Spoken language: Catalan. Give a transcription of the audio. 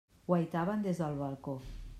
Guaitaven des del balcó.